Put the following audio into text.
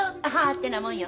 ってなもんよ。